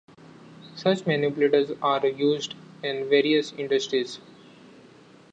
Such manipulators are used in various industries.